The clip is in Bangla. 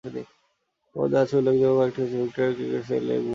এর মধ্যে আছে উল্লেখযোগ্য কয়েকটি হচ্ছে ভিক্টোরিয়া’স সিক্রেট, "এল", "ভোগ" ইত্যাদি।